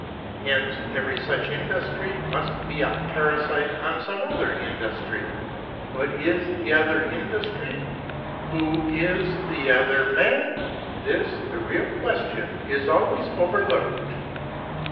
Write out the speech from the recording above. Hence every such industry must be a parasite on some other industry. What is the other industry? Who is the other man? This, the real question, is always overlooked.